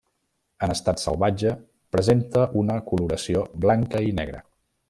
En estat salvatge presenta una coloració blanca i negre.